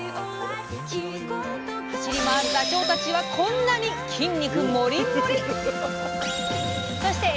走り回るダチョウたちはこんなに筋肉モリモリ！